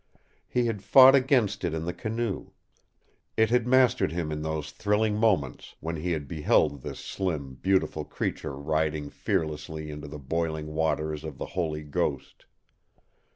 He had fought against it in the canoe; it had mastered him in those thrilling moments when he had beheld this slim, beautiful creature riding fearlessly into the boiling waters of the Holy Ghost.